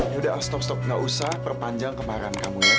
ya udah al stop stop gak usah perpanjang kemarahan kamu ya